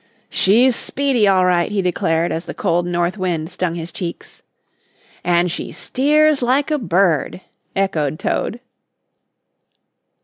"She's speedy, all right," he declared as the cold north wind stung his cheeks. "And she steers like a bird," echoed Toad.